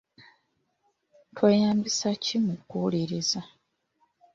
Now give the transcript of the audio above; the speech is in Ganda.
Tweyambisa ki mu kuwuliriza